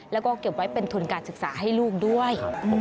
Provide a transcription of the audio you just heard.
แล้วก็เก็บไว้เป็นทุนการศึกษาให้ลูกด้วย